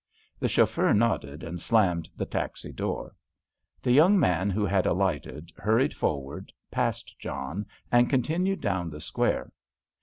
The chauffeur nodded, and slammed the taxi door. The young man who had alighted hurried forward, passed John, and continued down the square.